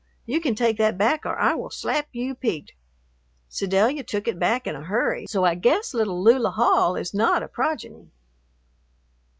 You can take that back or I will slap you peaked." Sedalia took it back in a hurry, so I guess little Lula Hall is not a progeny.